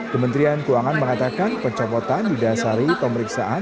kementerian keuangan mengatakan pencopotan di dasari pemeriksaan